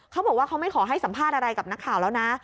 เขาบอกว่าเขาไม่ขอให้สัมภาษณ์อะไรกับนักข่าวแล้วนะ